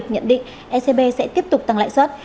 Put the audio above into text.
nhận định ecb sẽ tiếp tục tăng lãi suất